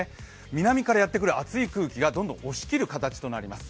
南からやってくる暑い空気が、どんどん押し切る形となります。